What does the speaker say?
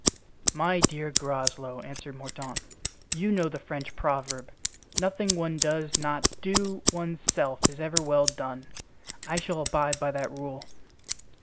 "My dear Groslow," answered Mordaunt, "you know the French proverb, 'Nothing one does not do one's self is ever well done.' I shall abide by that rule."